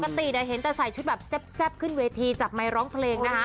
เห็นแต่ใส่ชุดแบบแซ่บขึ้นเวทีจับไมค์ร้องเพลงนะฮะ